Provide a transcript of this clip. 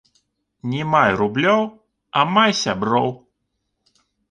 Ня май рублёў, а май сяброў